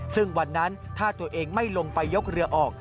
ซึ่งวันนั้นถ้าตัวเองไม่ลงไปยกเรือออก